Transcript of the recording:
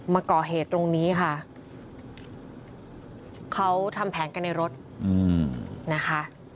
มาก่อเหตุตรงนี้ค่ะเขาทำแผนกันในรถนะคะ